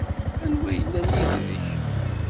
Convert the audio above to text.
Anwa ay yellan yid-k?